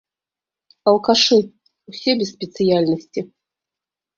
Алкашы, ўсе без спецыяльнасці.